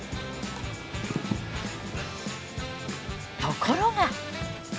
ところが。